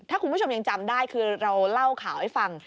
ถ้าคุณผู้ชมยังจำได้คือเราเล่าข่าวให้ฟัง